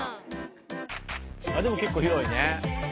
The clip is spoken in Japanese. でも結構広いね。